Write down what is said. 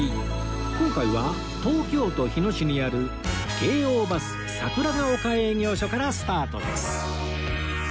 今回は東京都日野市にある京王バス桜ヶ丘営業所からスタートです